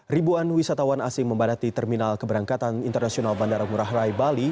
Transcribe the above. ribuan wisatawan asing membadati terminal keberangkatan internasional bandara ngurah rai bali